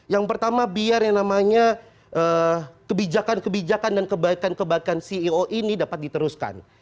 yang pertama biar yang namanya kebijakan kebijakan dan kebaikan kebaikan ceo ini dapat diteruskan